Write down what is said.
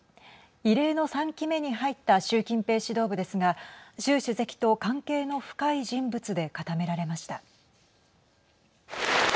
異例の３期目に入った習近平指導部ですが習主席と関係の深い人物で固められました。